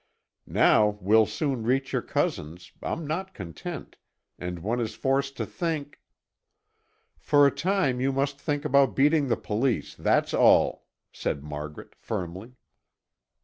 Now we'll soon reach your cousin's, I'm not content, and one is forced to think " "For a time you must think about beating the police; that's all," said Margaret firmly.